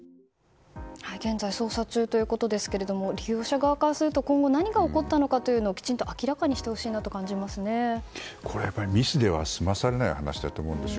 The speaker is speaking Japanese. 現在捜査中ということですが利用者側からすると今後何が起こったのかきちんと明らかにしてほしいとミスでは済まされない話だと思うんですよ。